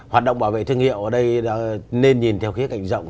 hoạt động bảo vệ thương hiệu ở đây nên nhìn theo khía cạnh rộng